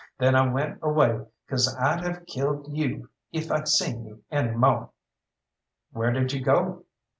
Then I went away 'cause I'd have killed you if I'd seen you any mo'." "Where did you go?"